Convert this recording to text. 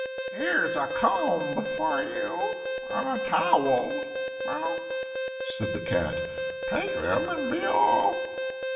"Here's a comb for you and a towel," said the Cat; "take them, and be off.